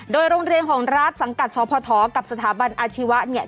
โดยโรงเรียนของรัฐสังกัดสพกับสถาบันอาชีวะเนี่ย